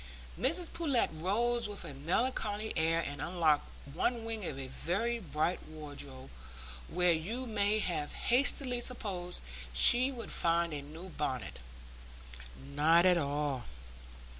Mrs Pullet rose with a melancholy air and unlocked one wing of a very bright wardrobe, where you may have hastily supposed she would find a new bonnet. Not at all.